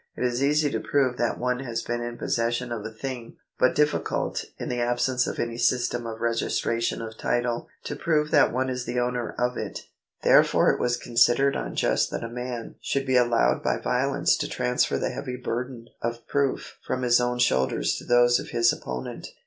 It is easy to prove that one has been in possession of a thing, but difficult (in the absence of any system of registra tion of title) to prove that one is the owner of it. Therefore it was considered unjust that a man should be allowed by violence to transfer the heavy burden of proof from his own shoulders to those of his opponent.